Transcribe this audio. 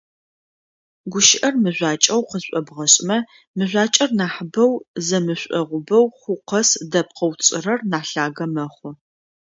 Гущыӏэр мыжъуакӏэу къызшӏобгъэшӏмэ, мыжъуакӏэр нахьыбэу, зэмышъогъубэу хъу къэс дэпкъэу тшӏырэр нахь лъагэ мэхъу.